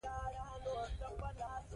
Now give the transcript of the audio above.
ایوب خان کندهار قلابند کړ.